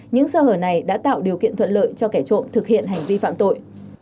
những sơ hở này đã tạo điều kiện thuận lợi cho kẻ trộm thực hiện hành vi phạm tội